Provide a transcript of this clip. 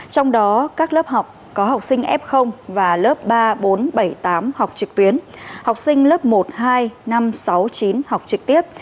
trong đó các lớp học có học sinh f và lớp ba bốn bảy tám học trực tuyến học sinh lớp một hai năm sáu chín học trực tiếp